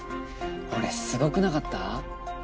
俺すごくなかった？